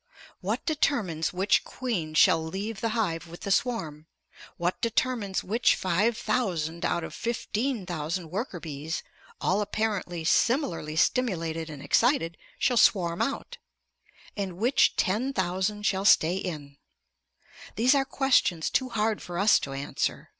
What determines which queen shall leave the hive with the swarm? What determines which five thousand out of fifteen thousand worker bees, all apparently similarly stimulated and excited, shall swarm out, and which ten thousand shall stay in? These are questions too hard for us to answer.